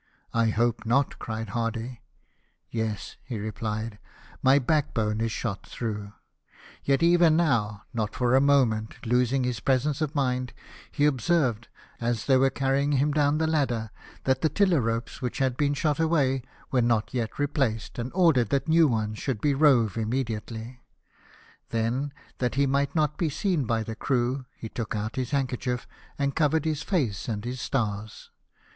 " I hope not !" cried Hardy. " Yes," he replied, " my backbone is shot through." Yet even now, not for a moment losing his presence of mind, he observed as they were 316 LIFE OF NELSON. carrying him down the ladder, that the tiller ropes, which had been shot away, were not yet replaced, and ordered that new ones should be rove immediately ; then, that he might not be seen by the crew, he took out his handkerchief, and covered his face and his stars.